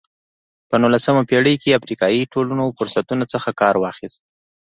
په نولسمه پېړۍ کې افریقایي ټولنو فرصتونو څخه کار واخیست.